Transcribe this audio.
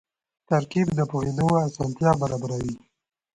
ترکیب د پوهېدو اسانتیا برابروي.